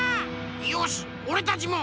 よしおれたちも！